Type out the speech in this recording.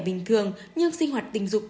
bình thường nhưng sinh hoạt tình dục